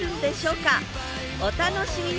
お楽しみに！